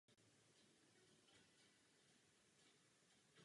Je odvozen od slova film.